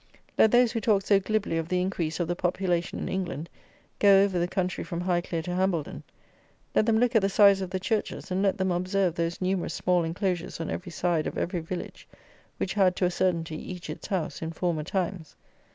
Let those, who talk so glibly of the increase of the population in England, go over the country from Highclere to Hambledon. Let them look at the size of the churches, and let them observe those numerous small enclosures on every side of every village, which had, to a certainty, each its house in former times.